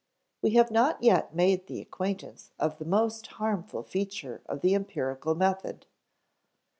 We have not yet made the acquaintance of the most harmful feature of the empirical method.